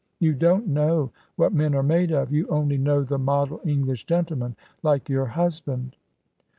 You don't know what men are made of. You only know the model English gentleman, like your husband."